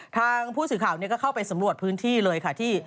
ทางผู้สื่อข่าวก็เข้าไปสำรวจพื้นที่เลยค่ะที่